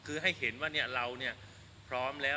คือให้เห็นว่าเนี่ยเราเนี่ยพร้อมแล้ว